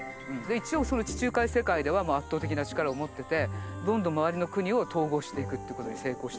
一応地中海世界では圧倒的な力を持っててどんどん周りの国を統合していくってことに成功してた。